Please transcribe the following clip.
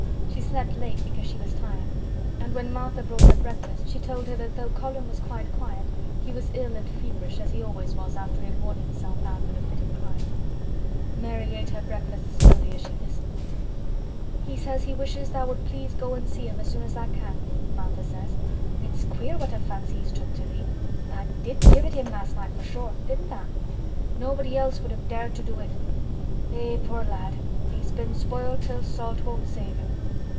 She slept late because she was tired, and when Martha brought her breakfast she told her that though Colin was quite quiet he was ill and feverish as he always was after he had worn himself out with a fit of crying. Mary ate her breakfast slowly as she listened. "He says he wishes tha' would please go and see him as soon as tha' can," Martha said. "It's queer what a fancy he's took to thee. Tha' did give it him last night for sure—didn't tha? Nobody else would have dared to do it. Eh! poor lad! He's been spoiled till salt won't save him.